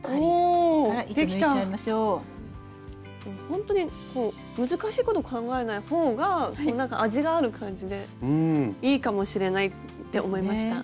ほんとに難しいこと考えない方がなんか味がある感じでいいかもしれないって思いました。